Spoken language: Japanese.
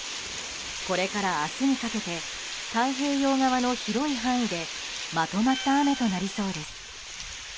これから明日にかけて太平洋側の広い範囲でまとまった雨となりそうです。